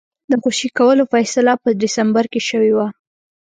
د خوشي کولو فیصله په ډسمبر کې شوې وه.